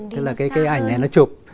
tức là cái ảnh này nó chụp